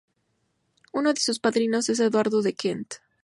Uno de sus padrinos es Eduardo de Kent.